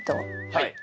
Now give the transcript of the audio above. はい。